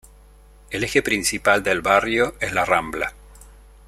El eje principal del barrio es la Rambla.